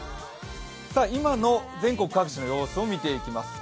今の全国各地の様子を見ていきます。